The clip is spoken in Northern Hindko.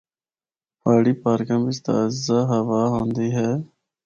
پہاڑی پارکاں بچ تازہ ہوا ہوندی ہے۔